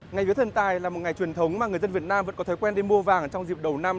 ngày vía thần tài là một ngày truyền thống mà người dân việt nam vẫn có thói quen đi mua vàng trong dịp đầu năm